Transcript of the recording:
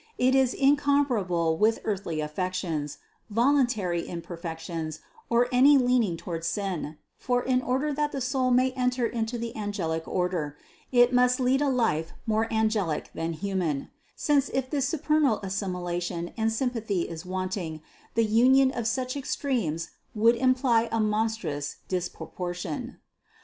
It is incompatible with earthly affections, voluntary imperfections, or any leaning toward sin : for in order that the soul may enter into the angelic order it must lead a life more angelic than human ; since if this supernal assimilation and sympathy is wanting, the union of such extremes would imply a monstrous dispropor tion.